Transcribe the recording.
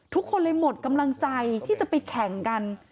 ทุกคนเลยหมดกำลังใจที่จะไปแข่งกัน